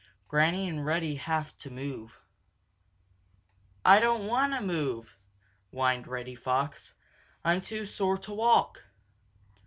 Granny and Reddy Have To Move "I don't want to move," whined Reddy Fox. "I'm too sore to walk."